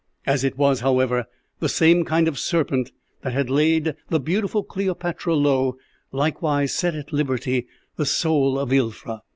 As it was, however, the same kind of serpent that had laid the beautiful Cleopatra low, likewise set at liberty the soul of Ilfra.